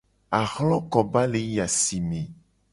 Ahlokoba le yi asi me.